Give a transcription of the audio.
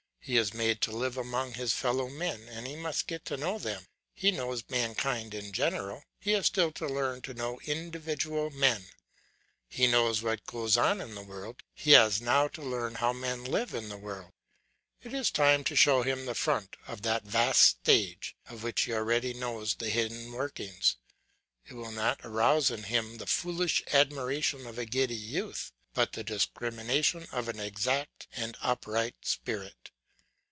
He is made to live among his fellow men and he must get to know them. He knows mankind in general; he has still to learn to know individual men. He knows what goes on in the world; he has now to learn how men live in the world. It is time to show him the front of that vast stage, of which he already knows the hidden workings. It will not arouse in him the foolish admiration of a giddy youth, but the discrimination of an exact and upright spirit.